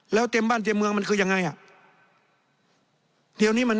แล้วเต็มบ้านเต็มเมืองมันคือยังไงอ่ะ